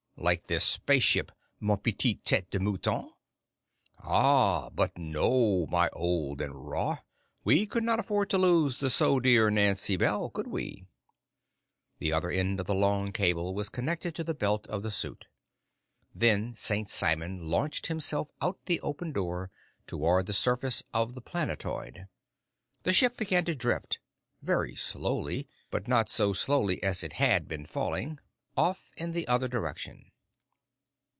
"Like this spaceship, mon petit tête de mouton." "Ah, but no, my old and raw; we could not afford to lose the so dear Nancy Bell, could we?" The other end of the long cable was connected to the belt of the suit. Then St. Simon launched himself out the open door toward the surface of the planetoid. The ship began to drift very slowly, but not so slowly as it had been falling off in the other direction.